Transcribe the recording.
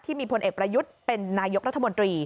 พลเอกประยุทธ์เป็นนายกรัฐมนตรี